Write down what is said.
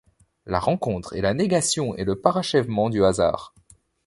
La rencontre est la négation et le parachèvement du hasard.